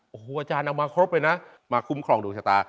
โอ้โหอาจารย์เอามาครบเลยนะมาคุ้มครองดวงชะตา